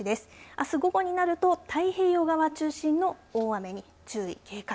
あす午後になると太平洋側中心の大雨に注意警戒。